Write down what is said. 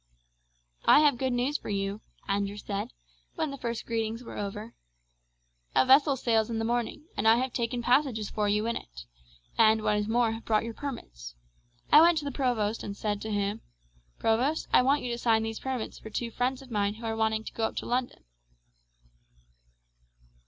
"I have good news for you," Andrew said, when the first greetings were over. "A vessel sails in the morning, and I have taken passages for you in it; and what is more, have brought your permits. I went to the provost and said to him, 'Provost, I want you to sign these permits for two friends of mine who are wanting to go up to London.'